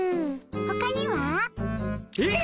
ほかには？えっ？